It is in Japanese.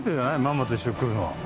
ママと一緒に来るのは。